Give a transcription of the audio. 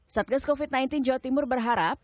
satgas covid sembilan belas jawa timur berharap